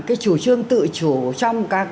cái chủ trương tự chủ trong